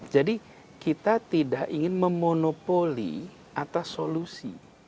jadi kita tidak ingin memonopoli atas solusi